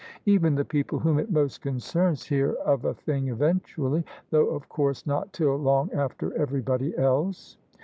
Even the people whom It most concerns hear of a thing eventually — though of course not till long after everybody else."